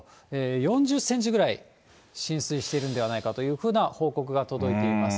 ４０センチぐらい浸水しているんではないかという報告が届いています。